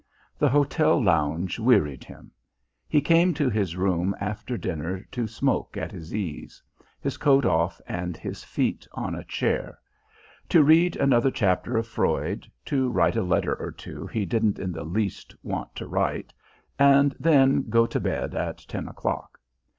The hotel lounge wearied him; he came to his room after dinner to smoke at his ease, his coat off and his feet on a chair; to read another chapter of Freud, to write a letter or two he didn't in the least want to write, and then go to bed at ten o'clock.